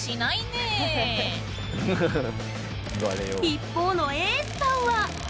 一方のエースさんは。